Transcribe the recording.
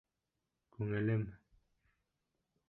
Күңелем...